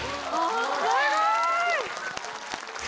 すごい！